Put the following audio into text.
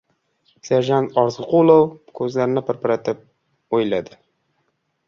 Serjant Orziqulov ko‘zlarini pirpiratib o‘yladi.